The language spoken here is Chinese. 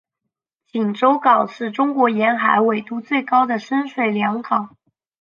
锦州港是中国沿海纬度最高的深水良港。